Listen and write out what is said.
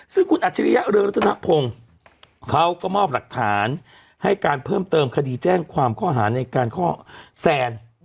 ซึ่งคุณอัจฉริยะเรืองรัตนพงศ์เขาก็มอบหลักฐานให้การเพิ่มเติมคดีแจ้งความข้อหาในการข้อแซน